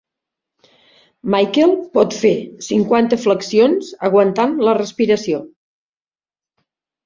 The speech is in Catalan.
Michael pot fer cinquanta flexions aguantant la respiració